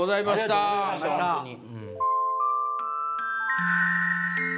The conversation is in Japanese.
ありがとうございました本当に。